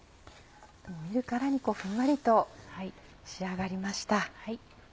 見るからにふんわりと仕上がりました。